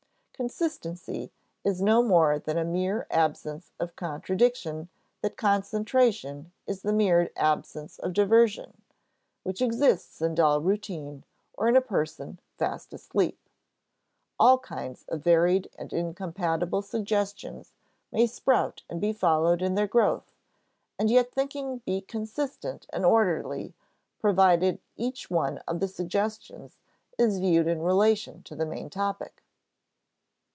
Consistency is no more the mere absence of contradiction than concentration is the mere absence of diversion which exists in dull routine or in a person "fast asleep." All kinds of varied and incompatible suggestions may sprout and be followed in their growth, and yet thinking be consistent and orderly, provided each one of the suggestions is viewed in relation to the main topic.